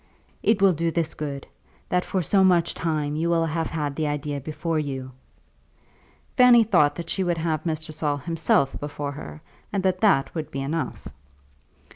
"It will do this good; that for so much time you will have had the idea before you." Fanny thought that she would have Mr. Saul himself before her, and that that would be enough.